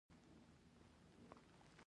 آیا چاپیریال ساتنه اقتصاد ته لګښت لري؟